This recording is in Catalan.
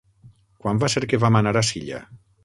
Quan va ser que vam anar a Silla?